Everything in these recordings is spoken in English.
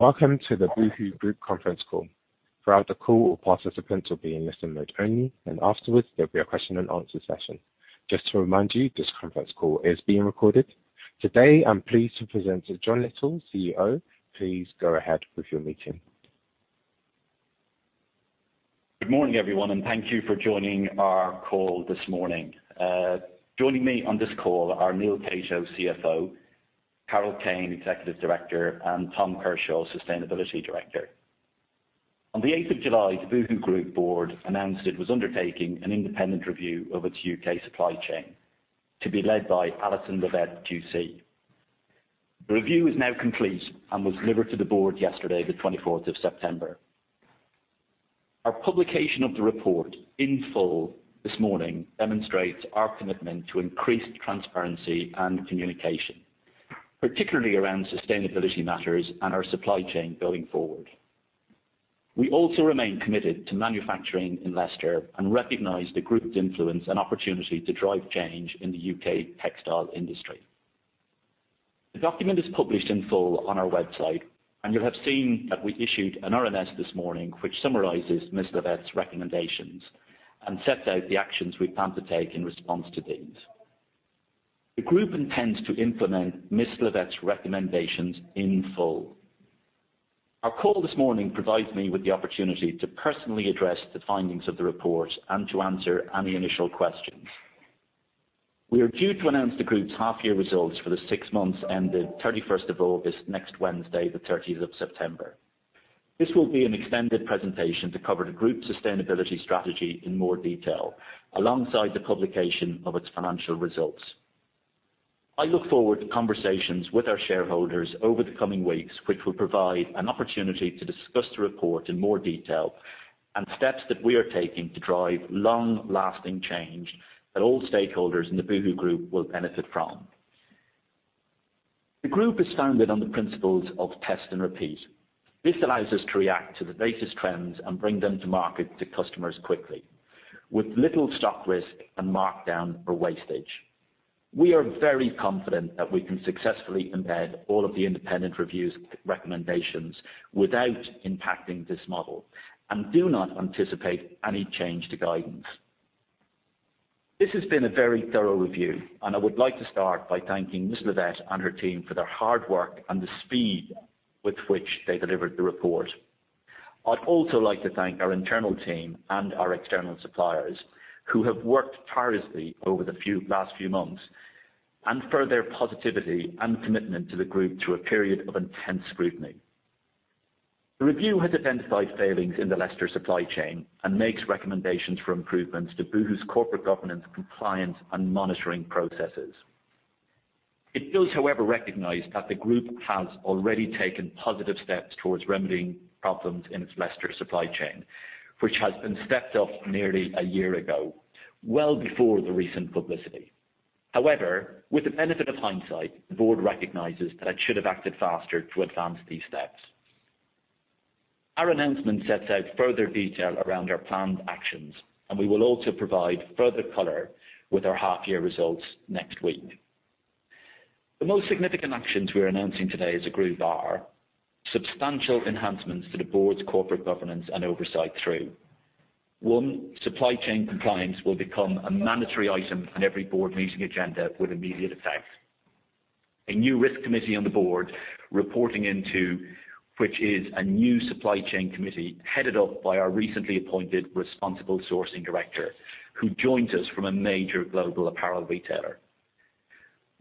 Welcome to the Boohoo Group conference call. Throughout the call, all participants will be in listen mode only, and afterwards there'll be a question and answer session. Just to remind you, this conference call is being recorded. Today, I'm pleased to present John Lyttle, CEO. Please go ahead with your meeting. Good morning, everyone, and thank you for joining our call this morning. Joining me on this call are Neil Catto, CFO, Carol Kane, Executive Director, and Tom Kershaw, Sustainability Director. On the 8th of July, the Boohoo Group board announced it was undertaking an independent review of its U.K. supply chain, to be led by Alison Levitt, QC. The review is now complete and was delivered to the board yesterday, the 24th of September. Our publication of the report in full this morning demonstrates our commitment to increased transparency and communication, particularly around sustainability matters and our supply chain going forward. We also remain committed to manufacturing in Leicester and recognize the group's influence and opportunity to drive change in the U.K. textile industry. The document is published in full on our website, and you'll have seen that we issued an RNS this morning which summarizes Ms. Levitt's recommendations and sets out the actions we plan to take in response to these. The group intends to implement Ms. Levitt's recommendations in full. Our call this morning provides me with the opportunity to personally address the findings of the report and to answer any initial questions. We are due to announce the group's half-year results for the six months ended 31st of August, next Wednesday, the 30th of September. This will be an extended presentation to cover the group's sustainability strategy in more detail, alongside the publication of its financial results. I look forward to conversations with our shareholders over the coming weeks, which will provide an opportunity to discuss the report in more detail and steps that we are taking to drive long-lasting change that all stakeholders in the Boohoo Group will benefit from. The group is founded on the principles of test and repeat. This allows us to react to the latest trends and bring them to market to customers quickly, with little stock risk and markdown or wastage. We are very confident that we can successfully embed all of the independent review's recommendations without impacting this model, and do not anticipate any change to guidance. This has been a very thorough review, and I would like to start by thanking Ms. Levitt and her team for their hard work and the speed with which they delivered the report. I'd also like to thank our internal team and our external suppliers, who have worked tirelessly over the last few months, and for their positivity and commitment to the group through a period of intense scrutiny. The review has identified failings in the Leicester supply chain and makes recommendations for improvements to Boohoo's corporate governance, compliance, and monitoring processes. It does, however, recognize that the group has already taken positive steps towards remedying problems in its Leicester supply chain, which has been stepped up nearly a year ago, well before the recent publicity. However, with the benefit of hindsight, the board recognizes that it should have acted faster to advance these steps. Our announcement sets out further detail around our planned actions, and we will also provide further color with our half-year results next week. The most significant actions we're announcing today as a group are substantial enhancements to the board's corporate governance and oversight through one, supply chain compliance will become a mandatory item on every board meeting agenda with immediate effect, a new Risk Committee on the board reporting into which is a new Supply Chain Committee headed up by our recently appointed Responsible Sourcing Director, who joins us from a major global apparel retailer.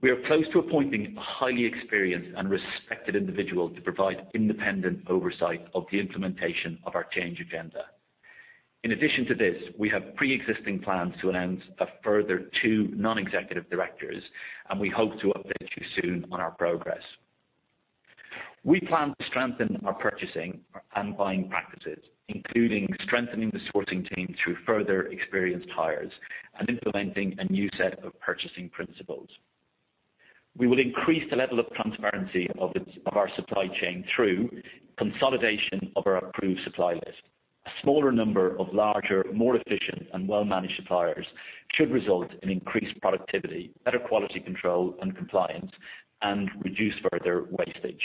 We are close to appointing a highly experienced and respected individual to provide independent oversight of the implementation of our change agenda. In addition to this, we have pre-existing plans to announce a further two non-executive directors, and we hope to update you soon on our progress. We plan to strengthen our purchasing and buying practices, including strengthening the sourcing team through further experienced hires and implementing a new set of purchasing principles. We will increase the level of transparency of our supply chain through consolidation of our approved supply list. A smaller number of larger, more efficient, and well-managed suppliers should result in increased productivity, better quality control and compliance, and reduce further wastage,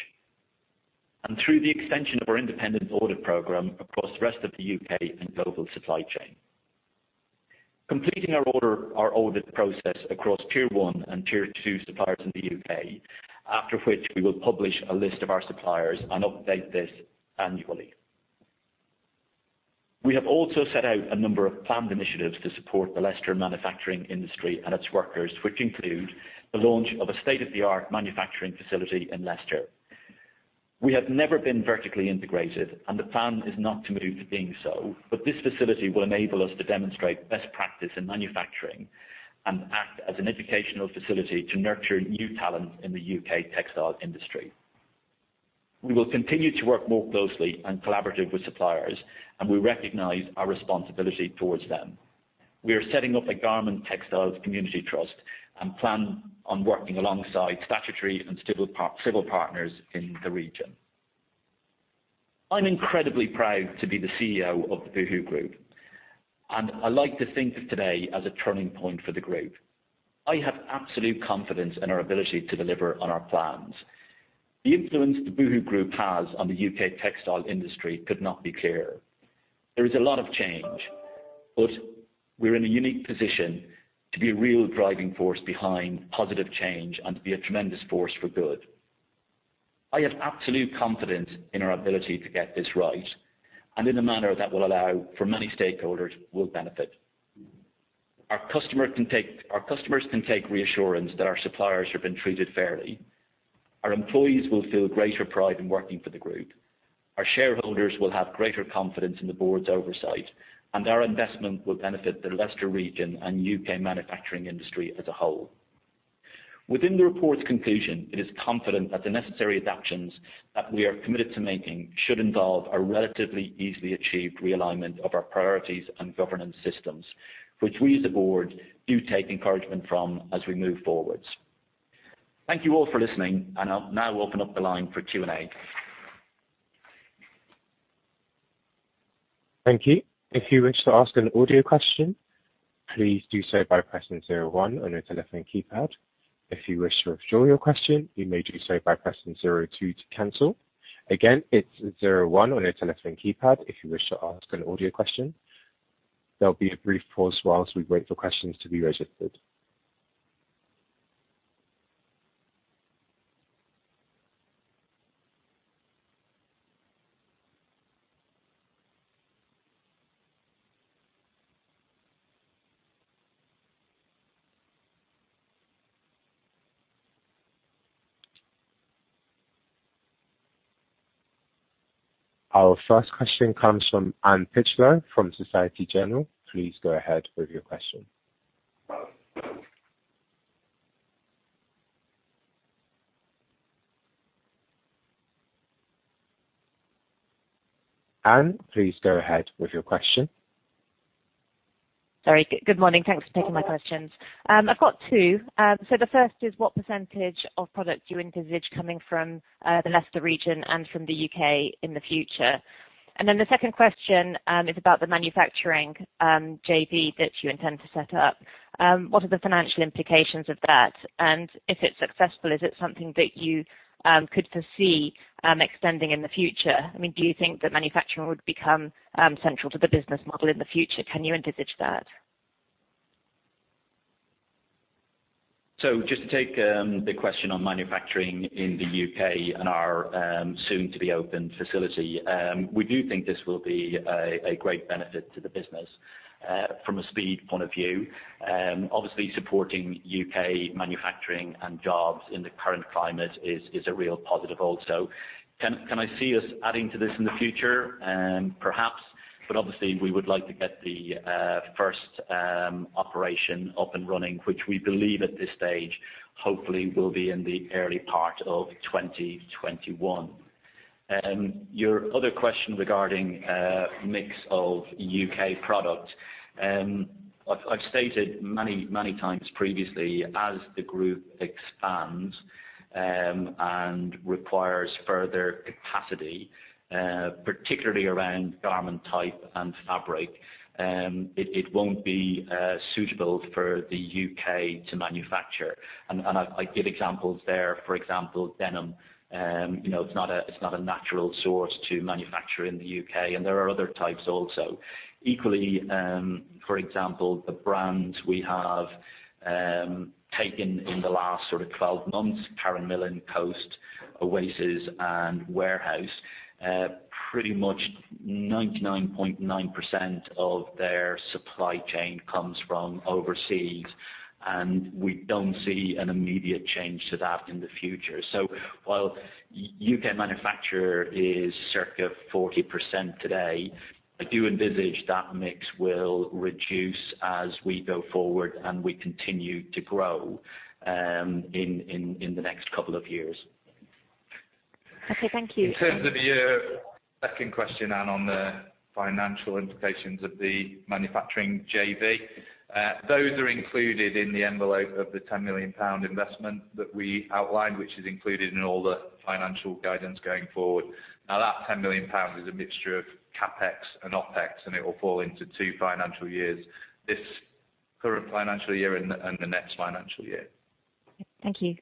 and through the extension of our independent audit program across the rest of the U.K. and global supply chain. Completing our audit process across Tier 1 and Tier 2 suppliers in the U.K., after which we will publish a list of our suppliers and update this annually. We have also set out a number of planned initiatives to support the Leicester manufacturing industry and its workers, which include the launch of a state-of-the-art manufacturing facility in Leicester. We have never been vertically integrated, and the plan is not to move to being so, but this facility will enable us to demonstrate best practice in manufacturing and act as an educational facility to nurture new talent in the U.K. textile industry. We will continue to work more closely and collaboratively with suppliers, and we recognize our responsibility towards them. We are setting up a Garment and Textile Community Trust and plan on working alongside statutory and civil partners in the region. I'm incredibly proud to be the CEO of the Boohoo Group, and I like to think of today as a turning point for the group. I have absolute confidence in our ability to deliver on our plans. The influence the Boohoo Group has on the U.K. textile industry could not be clearer. There is a lot of change, but we're in a unique position to be a real driving force behind positive change and to be a tremendous force for good. I have absolute confidence in our ability to get this right and in a manner that will allow for many stakeholders who will benefit. Our customers can take reassurance that our suppliers have been treated fairly. Our employees will feel greater pride in working for the group. Our shareholders will have greater confidence in the board's oversight, and our investment will benefit the Leicester region and U.K. manufacturing industry as a whole. Within the report's conclusion, it is confident that the necessary adaptations that we are committed to making should involve a relatively easily achieved realignment of our priorities and governance systems, which we as a board do take encouragement from as we move forward. Thank you all for listening, and I'll now open up the line for Q&A. Thank you. If you wish to ask an audio question, please do so by pressing zero one on your telephone keypad. If you wish to withdraw your question, you may do so by pressing zero two to cancel. Again, it's zero one on your telephone keypad if you wish to ask an audio question. There'll be a brief pause while we wait for questions to be registered. Our first question comes from Anne Critchlow from Société Générale. Please go ahead with your question. Anne, please go ahead with your question. Sorry. Good morning. Thanks for taking my questions. I've got two. So the first is what percentage of products you envisage coming from the Leicester region and from the U.K. in the future? And then the second question is about the manufacturing JV that you intend to set up. What are the financial implications of that? And if it's successful, is it something that you could foresee extending in the future? I mean, do you think that manufacturing would become central to the business model in the future? Can you envisage that? So just to take the question on manufacturing in the U.K. and our soon-to-be-opened facility, we do think this will be a great benefit to the business, from a speed point of view. Obviously, supporting U.K. manufacturing and jobs in the current climate is a real positive also. Can I see us adding to this in the future? Perhaps, but obviously, we would like to get the first operation up and running, which we believe at this stage, hopefully, will be in the early part of 2021. Your other question regarding mix of U.K. product, I've stated many times previously, as the group expands and requires further capacity, particularly around garment type and fabric, it won't be suitable for the U.K. to manufacture. And I give examples there. For example, denim, you know, it's not a natural source to manufacture in the U.K., and there are other types also. Equally, for example, the brands we have, taken in the last sort of 12 months, Karen Millen, Coast, Oasis, and Warehouse, pretty much 99.9% of their supply chain comes from overseas, and we don't see an immediate change to that in the future. So while U.K. manufacturer is circa 40% today, I do envisage that mix will reduce as we go forward and we continue to grow in the next couple of years. Okay. Thank you. In terms of your second question, Anne, on the financial implications of the manufacturing JV, those are included in the envelope of the £10 million investment that we outlined, which is included in all the financial guidance going forward. Now, that £10 million is a mixture of CapEx and OpEx, and it will fall into two financial years, this current financial year and the next financial year. Thank you.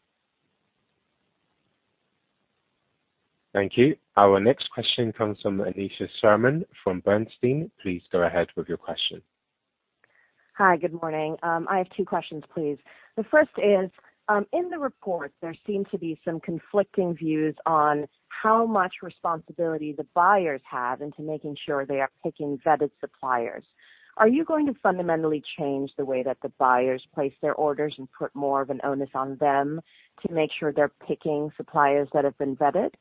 Thank you. Our next question comes from Aneesha Sherman from Bernstein. Please go ahead with your question. Hi, good morning. I have two questions, please. The first is, in the report, there seem to be some conflicting views on how much responsibility the buyers have into making sure they are picking vetted suppliers. Are you going to fundamentally change the way that the buyers place their orders and put more of an onus on them to make sure they're picking suppliers that have been vetted?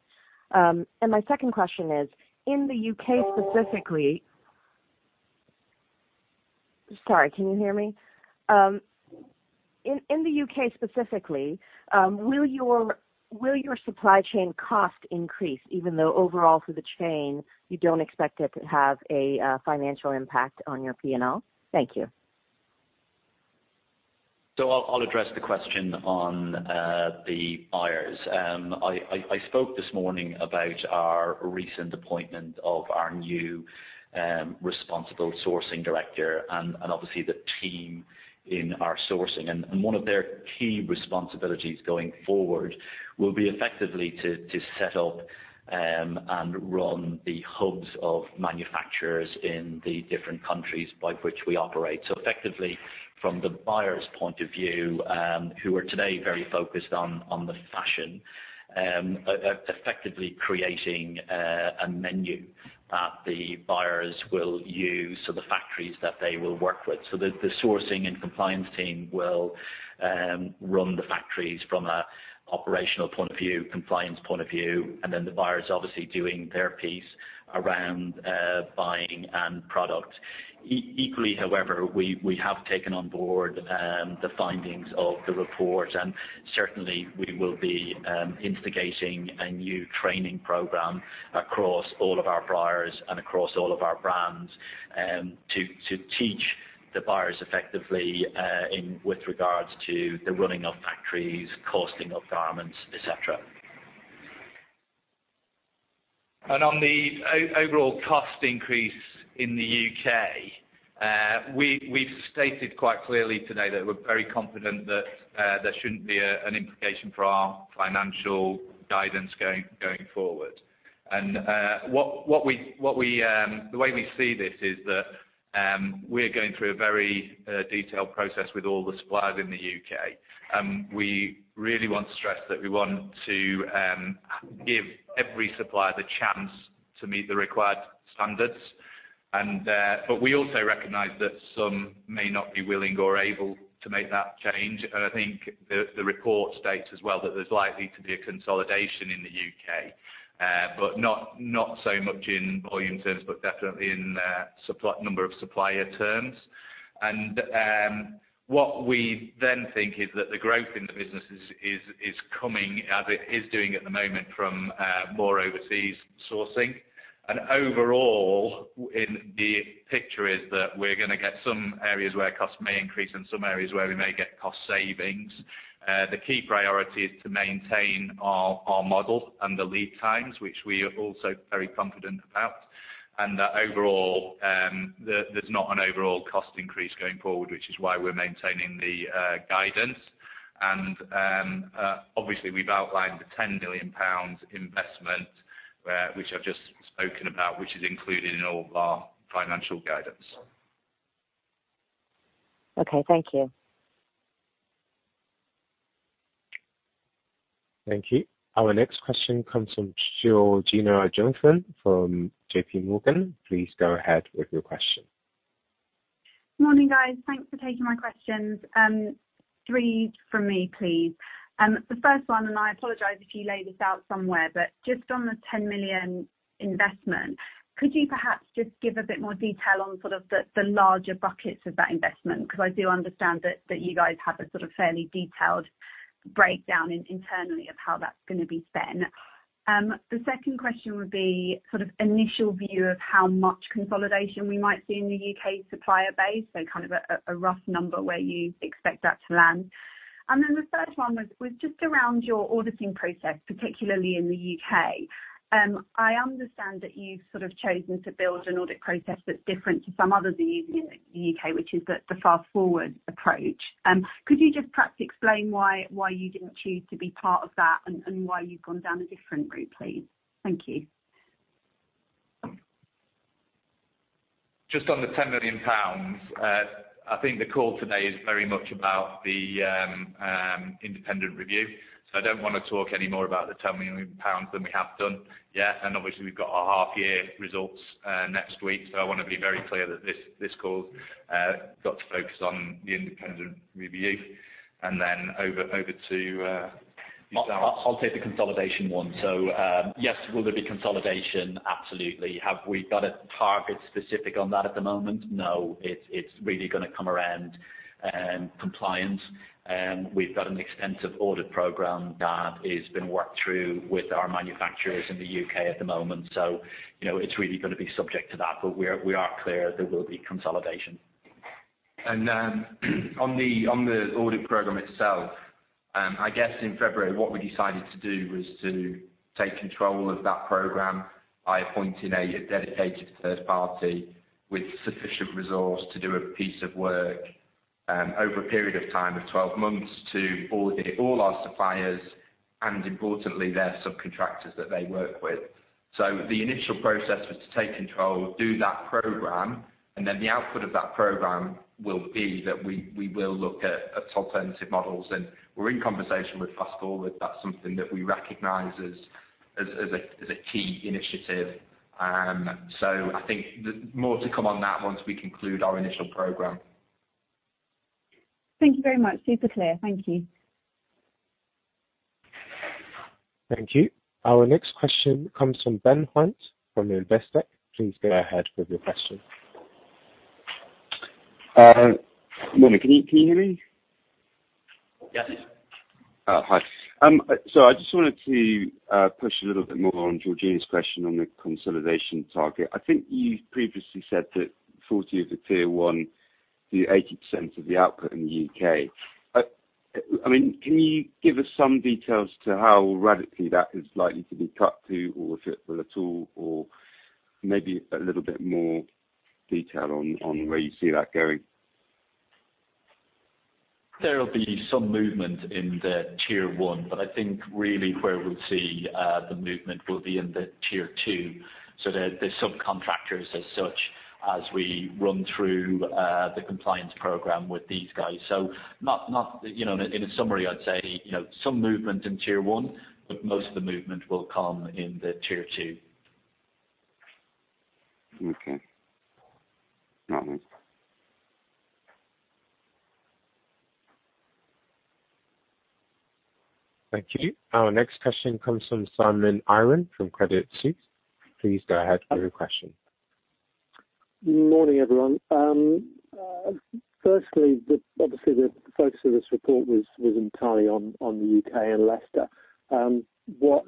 And my second question is, in the U.K. specifically, sorry, can you hear me? In the U.K. specifically, will your supply chain cost increase even though overall for the chain you don't expect it to have a financial impact on your P&L? Thank you. So I'll address the question on the buyers. I spoke this morning about our recent appointment of our new Responsible Sourcing Director and obviously the team in our sourcing. And one of their key responsibilities going forward will be effectively to set up and run the hubs of manufacturers in the different countries by which we operate. So effectively, from the buyer's point of view, who are today very focused on the fashion, effectively creating a menu that the buyers will use for the factories that they will work with. So the sourcing and compliance team will run the factories from an operational point of view, compliance point of view, and then the buyers obviously doing their piece around buying and product. Equally, however, we have taken on board the findings of the report, and certainly we will be instigating a new training program across all of our buyers and across all of our brands, to teach the buyers effectively in with regards to the running of factories, costing of garments, etc. And on the overall cost increase in the U.K., we've stated quite clearly today that we're very confident that there shouldn't be an implication for our financial guidance going forward. And the way we see this is that we're going through a very detailed process with all the suppliers in the U.K.. We really want to stress that we want to give every supplier the chance to meet the required standards. But we also recognize that some may not be willing or able to make that change. I think the report states as well that there's likely to be a consolidation in the U.K., but not so much in volume terms, but definitely in supply number of supplier terms. What we then think is that the growth in the business is coming as it is doing at the moment from more overseas sourcing. Overall, in the picture is that we're gonna get some areas where costs may increase and some areas where we may get cost savings. The key priority is to maintain our model and the lead times, which we are also very confident about. Overall, there's not an overall cost increase going forward, which is why we're maintaining the guidance. Obviously, we've outlined the 10 million pounds investment, which I've just spoken about, which is included in all of our financial guidance. Okay. Thank you. Thank you. Our next question comes from Georgina Johanan from JPMorgan. Please go ahead with your question. Morning, guys. Thanks for taking my questions. Three from me, please. The first one, and I apologize if you lay this out somewhere, but just on the 10 million investment, could you perhaps just give a bit more detail on sort of the, the larger buckets of that investment? 'Cause I do understand that, that you guys have a sort of fairly detailed breakdown in-internally of how that's gonna be spent. The second question would be sort of initial view of how much consolidation we might see in the U.K. supplier base, so kind of a, a rough number where you expect that to land. And then the third one was, was just around your auditing process, particularly in the U.K.. I understand that you've sort of chosen to build an audit process that's different to some others in the U.K., which is the, the Fast Forward approach. Could you just perhaps explain why, why you didn't choose to be part of that and, and why you've gone down a different route, please? Thank you. Just on the 10 million pounds, I think the call today is very much about the independent review. So I don't wanna talk any more about the 10 million pounds than we have done yet. And obviously, we've got our half-year results next week. So I wanna be very clear that this this call got to focus on the independent review. And then over over to Michelle. I'll take the consolidation one. So, yes, will there be consolidation? Absolutely. Have we got a target specific on that at the moment? No, it's really gonna come around compliance. We've got an extensive audit program that is being worked through with our manufacturers in the U.K. at the moment. So, you know, it's really gonna be subject to that, but we're, we are clear there will be consolidation. And, on the audit program itself, I guess in February, what we decided to do was to take control of that program by appointing a dedicated third party with sufficient resource to do a piece of work, over a period of time of 12 months to audit all our suppliers and, importantly, their subcontractors that they work with. So the initial process was to take control, do that program, and then the output of that program will be that we will look at alternative models. And we're in conversation with Fast Forward. That's something that we recognize as a key initiative. So I think the more to come on that once we conclude our initial program. Thank you very much. Super clear. Thank you. Thank you. Our next question comes from Ben Hunt from Investec. Please go ahead with your question. Morning, can you, can you hear me? Yes. Hi. So I just wanted to push a little bit more on Georgina's question on the consolidation target. I think you've previously said that 40% of the Tier 1, the 80% of the output in the U.K.. I mean, can you give us some details to how radically that is likely to be cut to, or if it will at all, or maybe a little bit more detail on where you see that going? There'll be some movement in the Tier 1, but I think really where we'll see, the movement will be in the Tier 2. So the subcontractors as such, as we run through the compliance program with these guys. So not, you know, in a summary, I'd say, you know, some movement in Tier 1, but most of the movement will come in the Tier 2. Okay. All right. Thank you. Our next question comes from Simon Irwin from Credit Suisse. Please go ahead with your question. Morning, everyone. First, obviously, the focus of this report was entirely on the U.K. and Leicester. What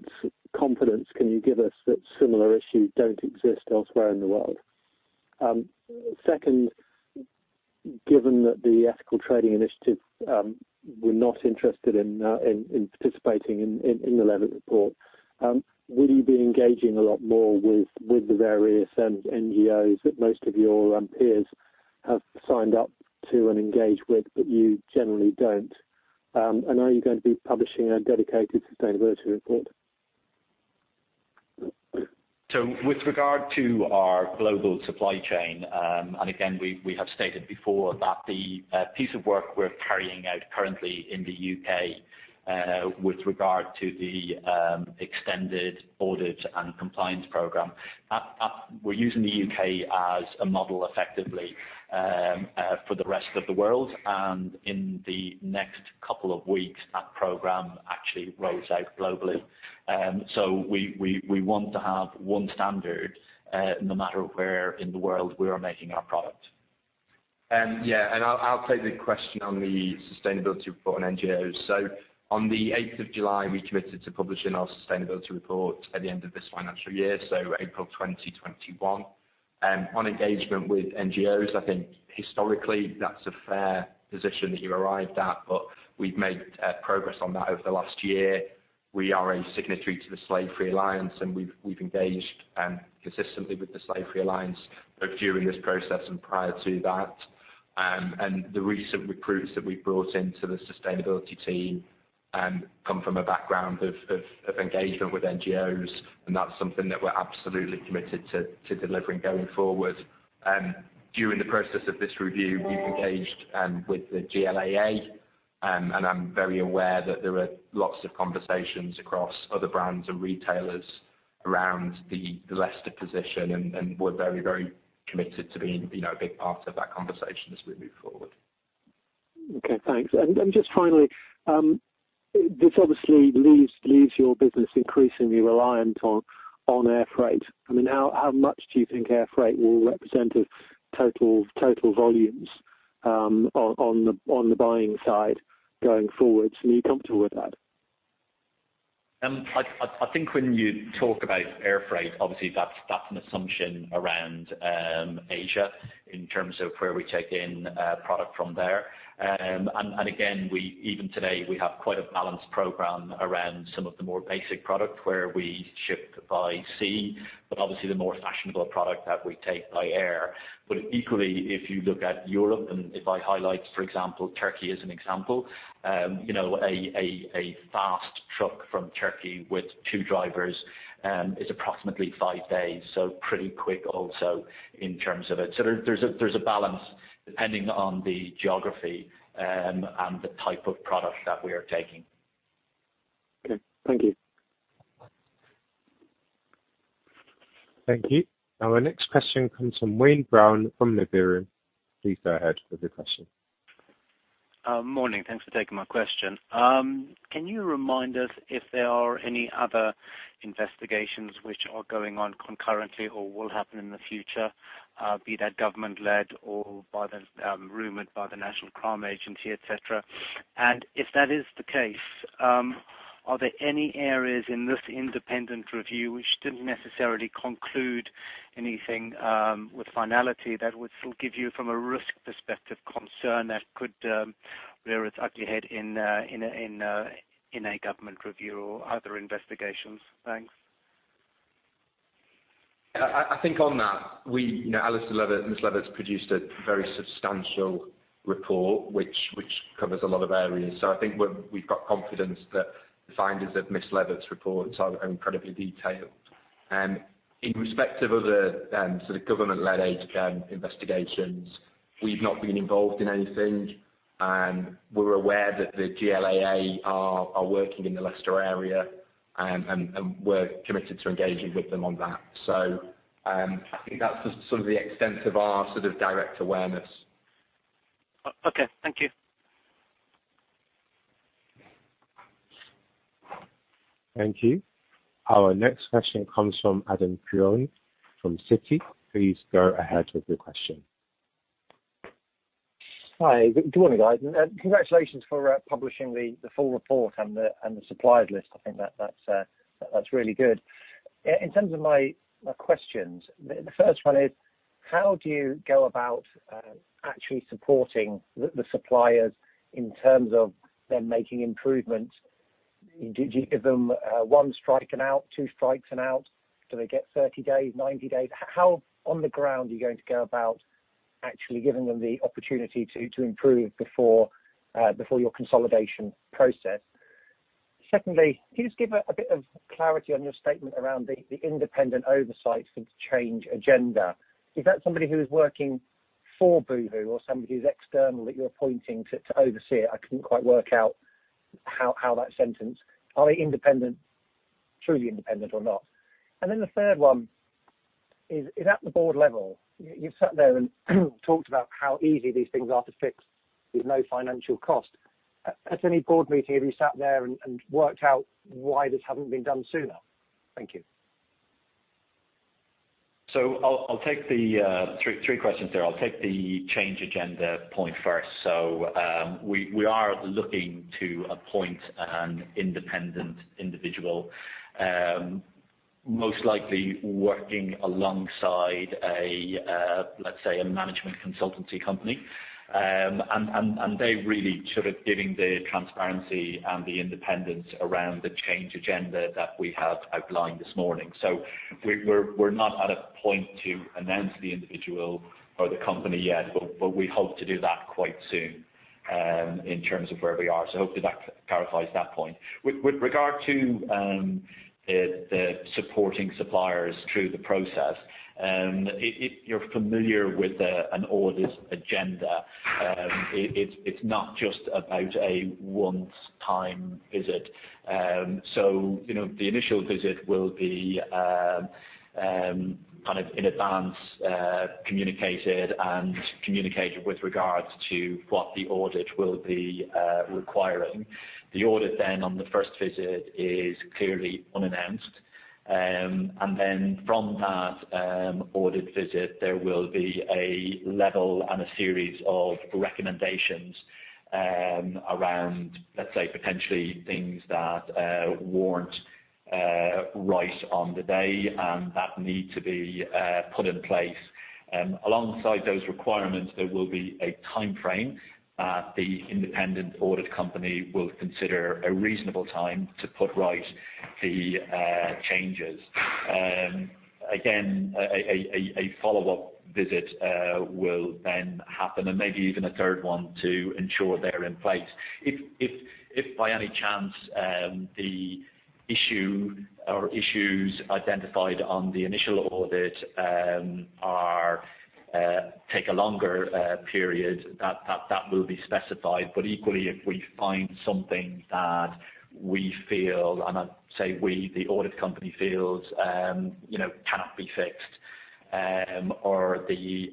confidence can you give us that similar issues don't exist elsewhere in the world? Second, given that the Ethical Trading Initiative, we're not interested in participating in the Levitt report, will you be engaging a lot more with the various NGOs that most of your peers have signed up to and engage with, but you generally don't? And are you going to be publishing a dedicated sustainability report? So with regard to our global supply chain, and again, we have stated before that the piece of work we're carrying out currently in the U.K., with regard to the extended audit and compliance program, that we're using the U.K. as a model effectively, for the rest of the world. And in the next couple of weeks, that program actually rolls out globally. So we want to have one standard, no matter where in the world we are making our product. Yeah. And I'll take the question on the sustainability report and NGOs. So on the 8th of July, we committed to publishing our sustainability report at the end of this financial year, so April 2021. On engagement with NGOs, I think historically that's a fair position that you arrived at, but we've made progress on that over the last year. We are a signatory to the Slave-Free Alliance, and we've engaged consistently with the Slave-Free Alliance both during this process and prior to that. And the recent recruits that we've brought into the sustainability team come from a background of engagement with NGOs, and that's something that we're absolutely committed to delivering going forward. During the process of this review, we've engaged with the GLAA, and I'm very aware that there are lots of conversations across other brands and retailers around the Leicester position, and we're very, very committed to being, you know, a big part of that conversation as we move forward. Okay. Thanks. And just finally, this obviously leaves your business increasingly reliant on air freight. I mean, how much do you think air freight will represent of total volumes, on the buying side going forward? So are you comfortable with that? I think when you talk about air freight, obviously that's an assumption around Asia in terms of where we take in product from there. And again, we even today have quite a balanced program around some of the more basic product where we ship by sea, but obviously the more fashionable product that we take by air. But equally, if you look at Europe, and if I highlight, for example, Turkey as an example, you know, a fast truck from Turkey with 2 drivers is approximately 5 days. So pretty quick also in terms of it. So there's a balance depending on the geography, and the type of product that we are taking. Okay. Thank you. Thank you. Our next question comes from Wayne Brown from Liberum. Please go ahead with your question. Morning. Thanks for taking my question. Can you remind us if there are any other investigations which are going on concurrently or will happen in the future, be that government-led or by the, rumored by the National Crime Agency, etc.? And if that is the case, are there any areas in this independent review which didn't necessarily conclude anything, with finality that would still give you, from a risk perspective, concern that could rear its ugly head in a government review or other investigations? Thanks. I think on that, we, you know, Alison Levitt, Ms. Levitt's produced a very substantial report which covers a lot of areas. So I think we've got confidence that the findings of Ms. Levitt's reports are incredibly detailed. In respect of other, sort of government-led, investigations, we've not been involved in anything. We're aware that the GLAA are working in the Leicester area, and we're committed to engaging with them on that. So, I think that's the sort of the extent of our sort of direct awareness. Okay. Thank you. Thank you. Our next question comes from Adam Cochrane from Citi. Please go ahead with your question. Hi. Good morning, guys. Congratulations for publishing the full report and the suppliers list. I think that's really good. In terms of my questions, the first one is, how do you go about actually supporting the suppliers in terms of them making improvements? Do you give them one strike and out, two strikes and out? Do they get 30 days, 90 days? How on the ground are you going to go about actually giving them the opportunity to improve before your consolidation process? Secondly, can you just give a bit of clarity on your statement around the independent oversight for the change agenda? Is that somebody who is working for Boohoo or somebody who's external that you're appointing to oversee it? I couldn't quite work out how that sentence. Are they independent, truly independent or not? Then the third one is at the board level. You've sat there and talked about how easy these things are to fix with no financial cost. At any board meeting, have you sat there and worked out why this hadn't been done sooner? Thank you. So I'll take the three questions there. I'll take the change agenda point first. So, we are looking to appoint an independent individual, most likely working alongside a, let's say, a management consultancy company. And they really sort of giving the transparency and the independence around the change agenda that we have outlined this morning. So we're not at a point to announce the individual or the company yet, but we hope to do that quite soon, in terms of where we are. So hopefully that clarifies that point. With regard to the supporting suppliers through the process, it's you're familiar with an audit agenda. It's not just about a one-time visit. So, you know, the initial visit will be kind of in advance communicated and communicated with regards to what the audit will be requiring. The audit then on the first visit is clearly unannounced. From that audit visit, there will be a level and a series of recommendations around, let's say, potentially things that warrant right on the day and that need to be put in place. Alongside those requirements, there will be a timeframe that the independent audit company will consider a reasonable time to put right the changes. Again, a follow-up visit will then happen and maybe even a third one to ensure they're in place. If by any chance the issue or issues identified on the initial audit are to take a longer period, that will be specified. But equally, if we find something that we feel, and I say we, the audit company feels, you know, cannot be fixed, or the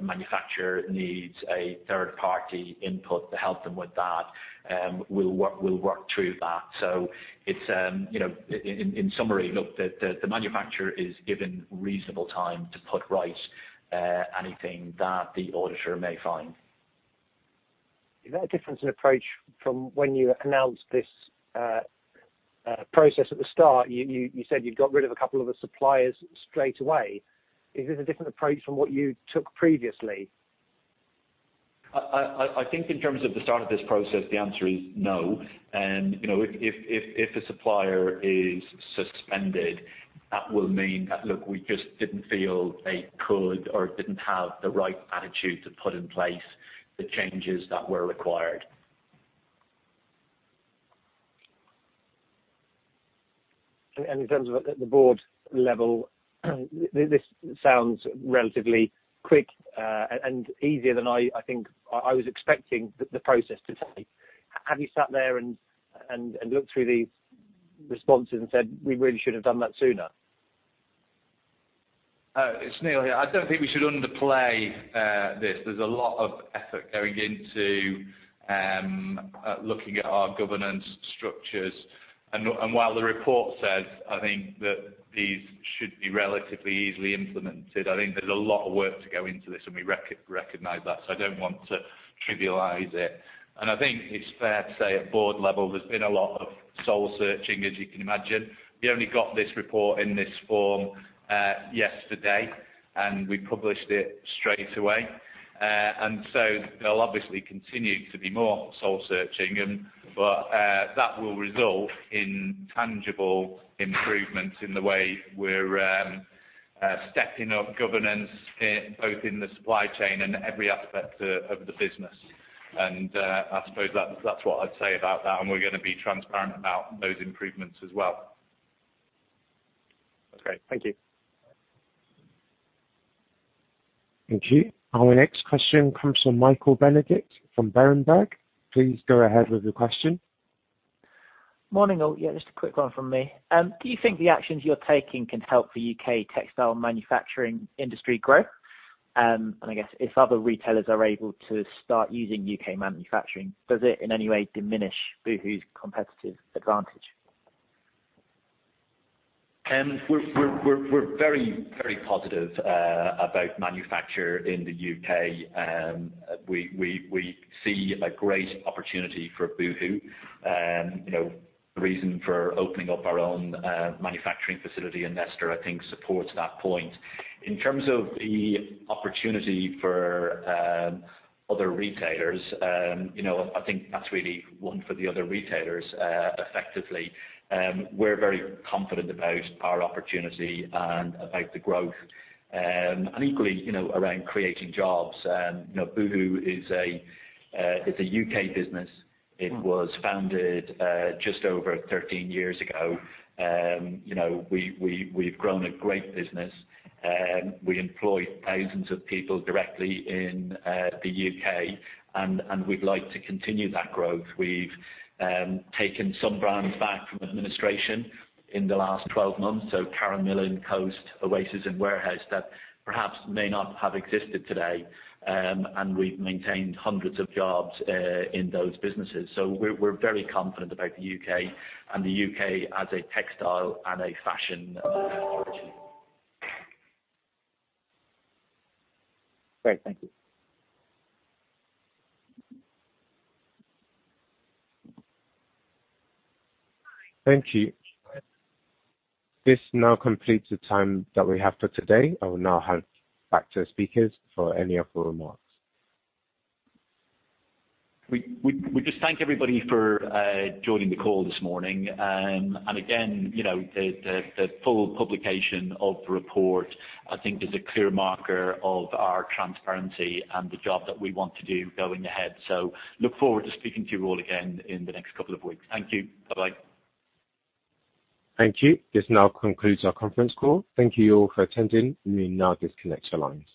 manufacturer needs a third-party input to help them with that, we'll work through that. So it's, you know, in summary, look, the manufacturer is given reasonable time to put right anything that the auditor may find. Is that a different approach from when you announced this process at the start? You said you'd got rid of a couple of the suppliers straight away. Is this a different approach from what you took previously? I think in terms of the start of this process, the answer is no. And, you know, if a supplier is suspended, that will mean that, look, we just didn't feel they could or didn't have the right attitude to put in place the changes that were required. In terms of at the board level, this sounds relatively quick, and easier than I think I was expecting the process to take. Have you sat there and looked through these responses and said, "We really should have done that sooner"? It's Neil here. I don't think we should underplay this. There's a lot of effort going into looking at our governance structures. And while the report says, I think that these should be relatively easily implemented, I think there's a lot of work to go into this, and we recognize that. So I don't want to trivialize it. And I think it's fair to say at board level, there's been a lot of soul searching, as you can imagine. We only got this report in this form yesterday, and we published it straight away. And so there'll obviously continue to be more soul searching, but that will result in tangible improvements in the way we're stepping up governance, both in the supply chain and every aspect of the business. I suppose that's what I'd say about that, and we're going to be transparent about those improvements as well. Okay. Thank you. Thank you. Our next question comes from Michael Benedict from Berenberg. Please go ahead with your question. Morning, all. Yeah, just a quick one from me. Do you think the actions you're taking can help the U.K. textile manufacturing industry grow? And I guess if other retailers are able to start using U.K. manufacturing, does it in any way diminish Boohoo's competitive advantage? We're very positive about manufacture in the U.K.. We see a great opportunity for Boohoo. You know, the reason for opening up our own manufacturing facility in Leicester, I think, supports that point. In terms of the opportunity for other retailers, you know, I think that's really a win for the other retailers, effectively. We're very confident about our opportunity and about the growth. And equally, you know, around creating jobs. You know, Boohoo is a U.K. business. It was founded just over 13 years ago. You know, we've grown a great business. We employ thousands of people directly in the U.K., and we'd like to continue that growth. We've taken some brands back from administration in the last 12 months, so Karen Millen, Coast, Oasis, and Warehouse that perhaps may not have existed today. We've maintained hundreds of jobs in those businesses. So we're, we're very confident about the U.K. and the U.K. as a textile and a fashion origin. Great. Thank you. Thank you. This now completes the time that we have for today. I will now hand back to the speakers for any of the remarks. We just thank everybody for joining the call this morning. And again, you know, the full publication of the report, I think, is a clear marker of our transparency and the job that we want to do going ahead. So look forward to speaking to you all again in the next couple of weeks. Thank you. Bye-bye. Thank you. This now concludes our conference call. Thank you all for attending. We now disconnect your lines.